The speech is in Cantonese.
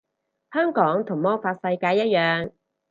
香港同魔法世界一樣